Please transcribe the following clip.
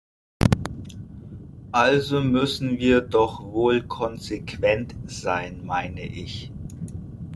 Also müssen wir doch wohl konsequent sein, meine ich.